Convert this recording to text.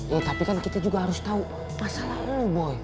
ya tapi kan kita juga harus tahu masalah boy